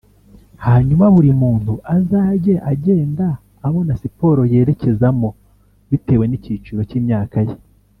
hanyuma buri muntu azajye agenda abona siporo yerekezamo bitewe n’icyiciro cy’imyaka ye